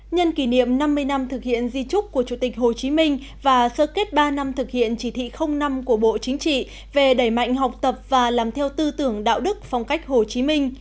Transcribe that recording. nhân kỷ niệm năm mươi năm thực hiện di trúc của chủ tịch hồ chí minh và sơ kết ba năm thực hiện chỉ thị năm của bộ chính trị về đẩy mạnh học tập và làm theo tư tưởng đạo đức phong cách hồ chí minh